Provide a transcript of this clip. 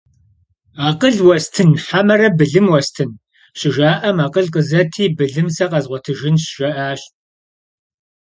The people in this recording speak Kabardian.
«Акъыл уэстын, хьэмэрэ былым уэстын?» - щыжаӀэм, «Акъыл къызэти, былым сэ къэзгъуэтыжынщ», - жиӀащ.